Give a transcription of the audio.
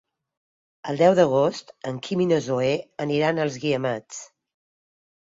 El deu d'agost en Quim i na Zoè aniran als Guiamets.